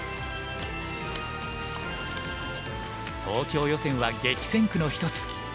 東京予選は激戦区の一つ。